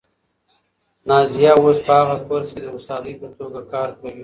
نازیه اوس په هغه کورس کې د استادې په توګه کار کوي.